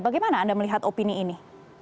bagaimana anda melihat opini ini